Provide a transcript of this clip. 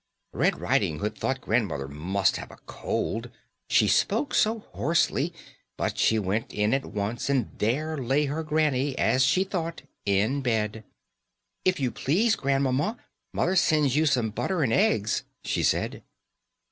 Red Riding Hood thought grandmother must have a cold, she spoke so hoarsely; but she went in at once, and there lay her granny, as she thought, in bed. "If you please, grandmamma, mother sends you some butter and eggs," she said.